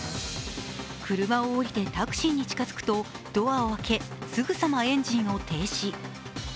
車を降りてタクシーに近づくと、ドアを開けすぐさまエンジンを停止。